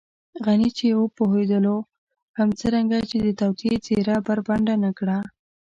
غني چې پوهېدلو هم څرنګه يې د توطیې څېره بربنډه نه کړه.